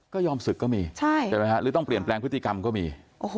ก็ยอมศึกก็มีใช่ไหมฮะหรือต้องเปลี่ยนแปลงพฤติกรรมก็มี